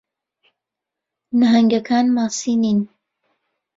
نەھەنگەکان ماسی نین.